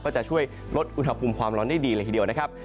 ก็จะช่วยลดอุณหภูมิความร้อนได้ดีเลยทีเดียวนะครับ